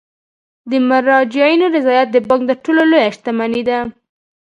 د مراجعینو رضایت د بانک تر ټولو لویه شتمني ده.